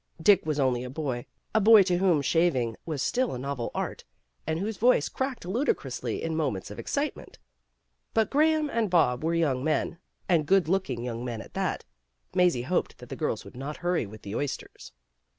Dick was only a boy, a boy to whom shaving was still a novel art, and whose voice cracked ludicrously in moments of excitement. But Graham and Bob were young men, and good looking young men at that. Mazie hoped that the girls would not hurry with the oysters.